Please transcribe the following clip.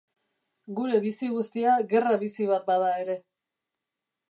Gure bizi guztia gerra bizi bat bada ere.